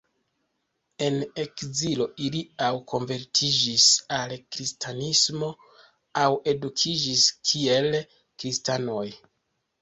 En ekzilo ili aŭ konvertiĝis al kristanismo aŭ edukiĝis kiel kristanoj.